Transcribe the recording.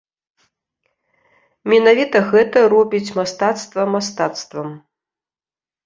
Менавіта гэта робіць мастацтва мастацтвам.